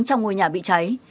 trong ngôi nhà bị trái